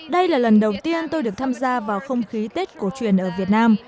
đây là lần đầu tiên tôi được tham gia vào không khí tết cổ truyền ở việt nam